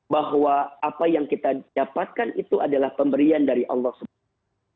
bahwa apa yang kita dapatkan itu adalah pemberian dari allah swt